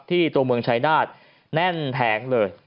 ที่ตัวเมืองชัยนาธิ์แน่นแผงเลย